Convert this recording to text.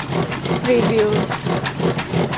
พรีบิลท์